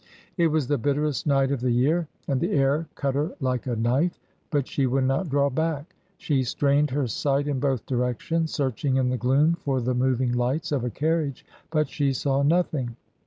It was the bitterest night of the year and the air cut her like a knife, but she would not draw back. She strained her sight in both directions, searching in the gloom for the moving lights of a carriage, but she saw nothing.